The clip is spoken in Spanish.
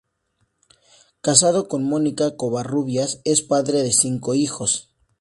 Casado con Mónica Covarrubias, es padre de cinco hijos.